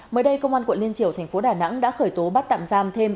mới đây công an quận liên triều tp đà nẵng đã khởi tố bắt tạm giam thêm